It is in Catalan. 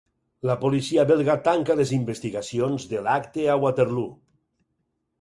La policia belga tanca les investigacions de l'acte a Waterloo